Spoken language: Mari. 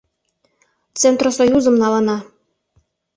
Центросоюзым налына.